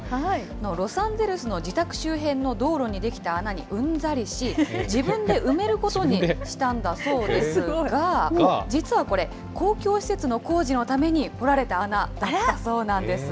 ロサンゼルスの自宅周辺の道路に出来た穴にうんざりし、自分で埋めることにしたんだそうですが、実はこれ、公共施設の工事のために掘られた穴だったそうなんです。